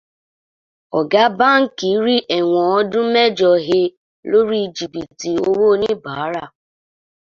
Ọ̀gá báńkì rí ẹ̀wọ̀n ọdún mẹ́jọ e lórí jìbìtì owó oníbàárà.